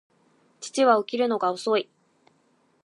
父は起きるのが遅い